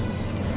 udah gak ada